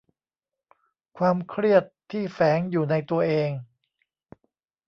ความเครียดที่แฝงอยู่ในตัวเอง